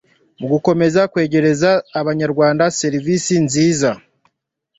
mu gukomeza kwegereza abanyarwanda serivisi nziza